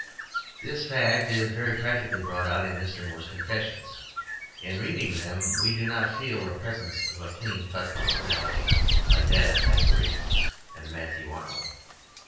This fact is very practically brought out in Mr. Moore's "Confessions." In reading them we do not feel the presence of a clean cut personality like that of Thackeray and Matthew Arnold.